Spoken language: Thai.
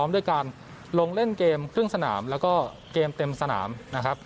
ด้วยการลงเล่นเกมครึ่งสนามแล้วก็เกมเต็มสนามนะครับ